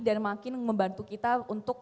dan makin membantu kita untuk